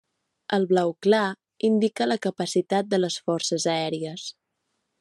El blau clar indica la capacitat de les Forces Aèries.